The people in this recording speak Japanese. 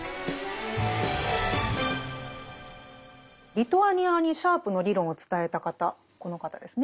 リトアニアにシャープの理論を伝えた方この方ですね